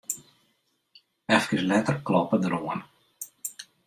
Efkes letter kloppe er oan.